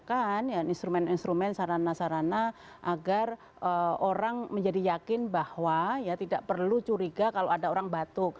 kita lakukan instrumen instrumen sarana sarana agar orang menjadi yakin bahwa ya tidak perlu curiga kalau ada orang batuk